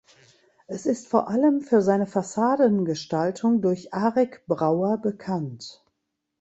Es ist vor allem für seine Fassadengestaltung durch Arik Brauer bekannt.